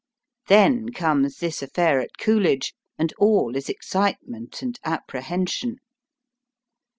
Then comes this affair at Coolidge, and all is excitement and apprehension.